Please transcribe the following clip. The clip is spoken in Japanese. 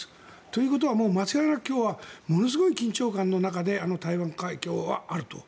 ということは間違いなく今日はものすごい緊張感の中に台湾海峡はあると。